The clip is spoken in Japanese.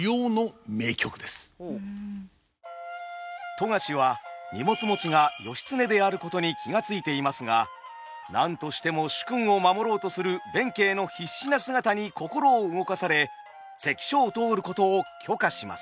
富樫は荷物持ちが義経であることに気が付いていますが何としても主君を守ろうとする弁慶の必死な姿に心を動かされ関所を通ることを許可します。